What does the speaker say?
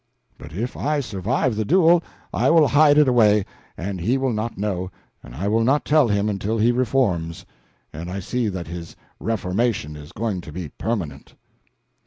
But if I survive the duel, I will hide it away, and he will not know, and I will not tell him until he reforms, and I see that his reformation is going to be permanent."